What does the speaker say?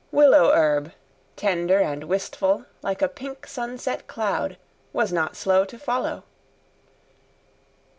Willow herb, tender and wistful, like a pink sunset cloud, was not slow to follow.